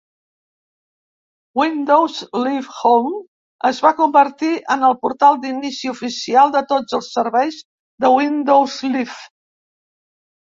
Windows Live Home es va convertir en el portal d'inici oficial de tots els serveis de Windows Live.